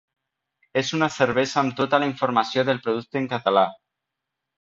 És una cervesa amb tota la informació del producte en català.